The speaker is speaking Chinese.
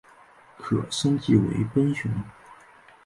可升级成奔熊。